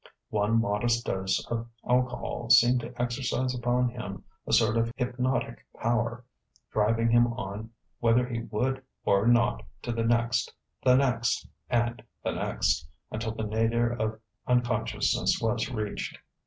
One modest dose of alcohol seemed to exercise upon him a sort of hypnotic power, driving him on whether he would or not to the next, the next, and the next until the nadir of unconsciousness was reached.